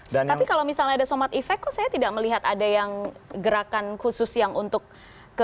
tapi kalau misalnya ada somad effect kok saya tidak melihat ada yang gerakan khusus yang untuk